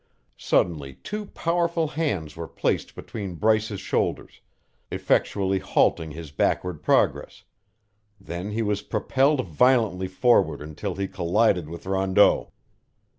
Suddenly two powerful hands were placed between Bryce's shoulders, effectually halting his backward progress; then he was propelled violently forward until he collided with Rondeau.